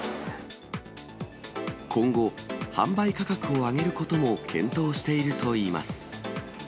今後、販売価格を上げることも検討しているといいます。